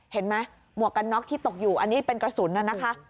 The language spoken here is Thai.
เห็นมั้ยหมวกกัน๊อกที่ตกอยู่อันนี้เป็นกระสุนนะคะ